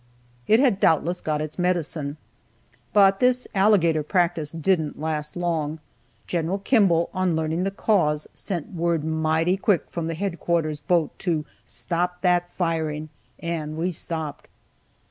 It had doubtless got its medicine. But this "alligator practice" didn't last long. Gen. Kimball, on learning the cause, sent word mighty quick from the headquarters boat to "Stop that firing!" and we stopped.